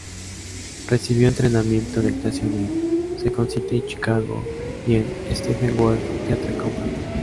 Recibió entrenamiento de actuación en Second City Chicago y en Steppenwolf Theatre Company.